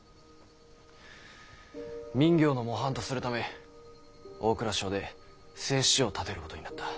民業の模範とするため大蔵省で製糸場を建てることになった。